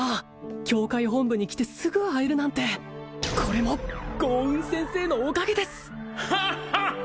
教会本部に来てすぐ会えるなんてこれも豪運先生のおかげです！